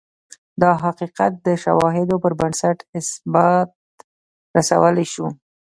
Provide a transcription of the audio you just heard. دا حقیقت د شواهدو پربنسټ اثبات رسولای شو.